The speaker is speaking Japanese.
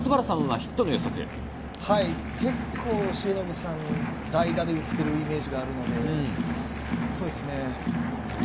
結構、重信さん代打で打っているイメージがあるので。